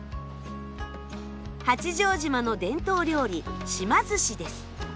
八丈島の伝統料理島寿司です。